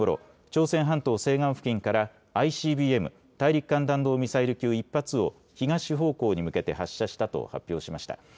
朝鮮半島西岸付近からＩＣＢＭ・大陸間弾道ミサイル級１発を東方向に向けて発射したと発表しました。